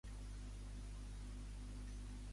Quin autor parla sobre Titonos?